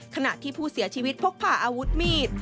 ขณะที่ผู้เสียชีวิตพกผ่าอาวุธมีด